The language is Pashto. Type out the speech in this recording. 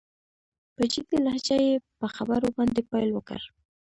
په جدي لهجه يې په خبرو باندې پيل وکړ.